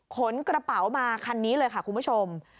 ขนกระเป๋ามาคันนี้เลยค่ะคุณผู้ชม